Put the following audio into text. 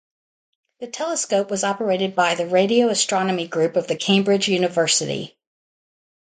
The telescope was operated by the Radio Astronomy Group of the Cambridge University.